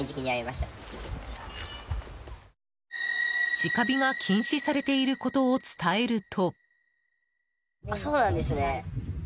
直火が禁止されていることを伝えると。